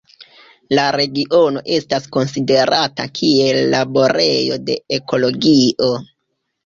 La regiono estas konsiderata kiel "laborejo de ekologio".